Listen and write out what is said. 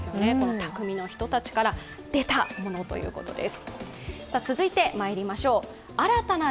匠の人たちから出たものということです。